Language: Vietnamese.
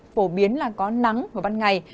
bổ biến là có nắng vào ban ngày